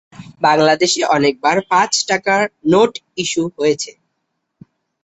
বাংলাদেশে অনেকবার পাঁচ টাকার নোট ইস্যু হয়েছে।